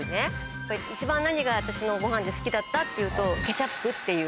やっぱり、一番何が、私のごはんで好きだった？って言うと、ケチャップっていう。